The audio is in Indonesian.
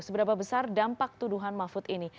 seberapa besar dampak tuduhan mahfud ini